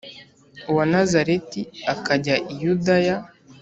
uwa Nazareti akajya i Yudaya